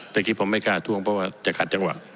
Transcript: แต่คิดผมไม่กล้าท่วงเพราะว่าจะขัดจังหวะ